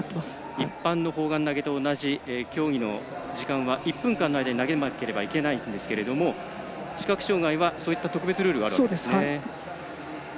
一般の砲丸投げと同じ競技の時間は１分間の間に投げなければいけないんですけど視覚障がいはそういった特別ルールがあるんですね。